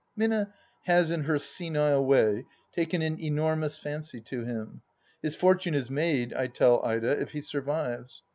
Minna has in her senile way taken an enormous fancy to him. His fortune is made, I tell Ida, if he survives.